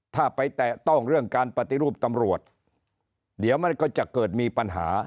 ถ้าไปแตะต้องเรื่องการปฏิรูปตำรวจเดี๋ยวมันก็จะเกิดมีปัญหา